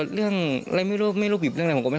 อเรนนี่มีอาน็อตโกรธเรื่องอะไร